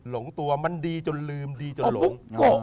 หลงตัวมันดีจนลืมดีจนหลง